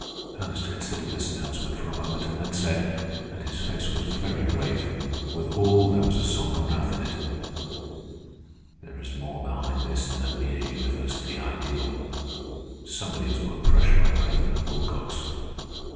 Ernest considered this announcement for a moment, and then said, and his face was very grave, withal there was a sombre wrath in it: "There is more behind this than a mere university ideal. Somebody has put pressure on President Wilcox."